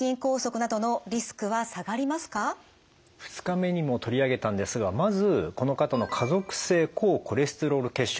２日目にも取り上げたんですがまずこの方の家族性高コレステロール血症